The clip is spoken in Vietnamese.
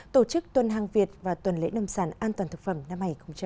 tổ chức tuần hàng việt và tuần lễ nông sản an toàn thực phẩm năm hai nghìn hai mươi